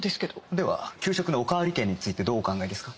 では給食のおかわり券についてどうお考えですか？